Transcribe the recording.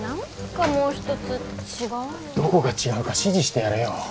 どこが違うか指示してやれよ。